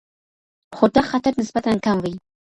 خو دا خطر نسبتاً کم وي.